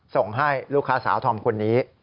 ส่งให้ลูกค้าสาวธอมคนนี้